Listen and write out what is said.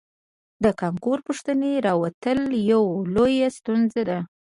د کانکور پوښتنې راوتل یوه لویه ستونزه ده